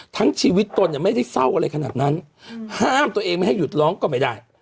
ทั้งชีวิตตนเนี่ยไม่ได้เศร้าอะไรขนาดนั้นห้ามตัวเองไม่ให้หยุดร้องก็ไม่ได้